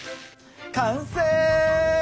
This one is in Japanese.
完成！